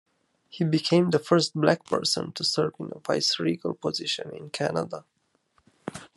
He became the first black person to serve in a viceregal position in Canada.